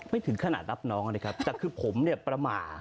ไม่ถึงขนาดรับน้องแต่ที่ผมประหม่า